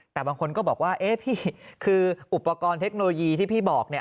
แต่บางคนก็บอกว่าเอ๊ะพี่คืออุปกรณ์เทคโนโลยีที่พี่บอกเนี่ย